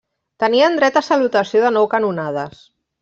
Tenien dret a salutació de nou canonades.